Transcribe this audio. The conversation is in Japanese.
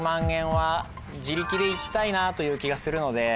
で行きたいなという気がするので。